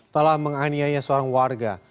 telah menganiaya seorang warga